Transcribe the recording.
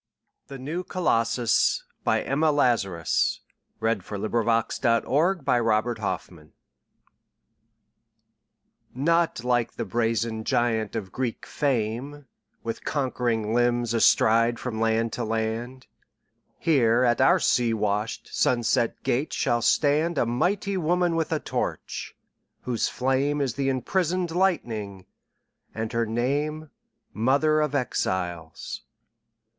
The New Colossus Emma Lazarus NOT like the brazen giant of Greek fame, With conquering limbs astride from land to land; Here at our sea washed, sunset gates shall standA mighty woman with a torch, whose flameIs the imprisoned lightning, and her nameMother of Exiles.